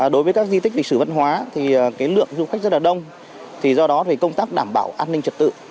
đối với các di tích lịch sử văn hóa thì cái lượng du khách rất là đông thì do đó thì công tác đảm bảo an ninh trật tự